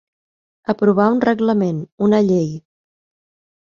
Aprovar un reglament, una llei.